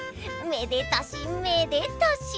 めでたしめでたし！